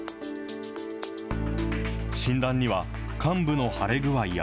診断には患部の腫れ具合や、